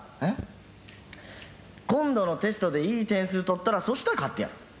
えっ？今度のテストでいい点数取ったらそしたら買ってやる。